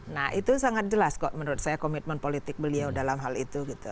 nah itu sangat jelas kok menurut saya komitmen politik beliau dalam hal itu gitu